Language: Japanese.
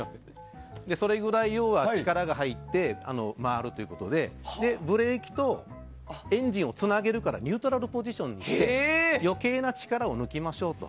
それぐらい力が入って回るということで、ブレーキとエンジンをつなげるからニュートラルポジションにして余計な力を抜きましょうと。